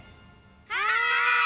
はい！